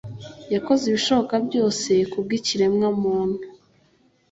Yakoze ibishoboka byose kubw' ikiremwamuntu